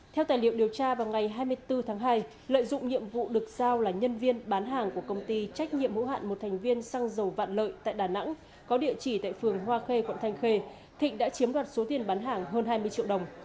theo tài liệu điều tra vào ngày hai mươi bốn tháng hai lợi dụng nhiệm vụ được giao là nhân viên bán hàng của công ty trách nhiệm hữu hạn một thành viên xăng dầu vạn lợi tại đà nẵng có địa chỉ tại phường hoa khê quận thanh khê thịnh đã chiếm đoạt số tiền bán hàng hơn hai mươi triệu đồng